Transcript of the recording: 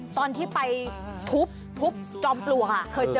ตอนที่ไปทุบจอมปลวก